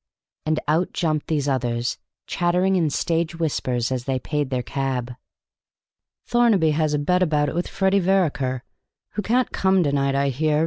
And out jumped these others, chattering in stage whispers as they paid their cab. "Thornaby has a bet about it with Freddy Vereker, who can't come, I hear.